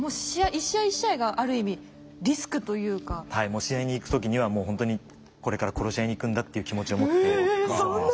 もう試合に行く時にはもうほんとにこれから殺し合いに行くんだっていう気持ちを持ってプレイしてます。